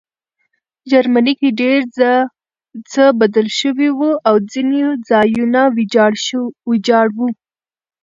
جرمني کې ډېر څه بدل شوي وو او ځینې ځایونه ویجاړ وو